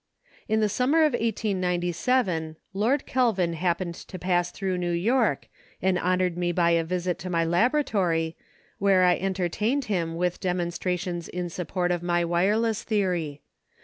In the summer of 1897 Lord Kelvin happened to pass thru New York and honored me by a visit to my laboratory where I entertained him with demonstra tions in support of my wireless theory.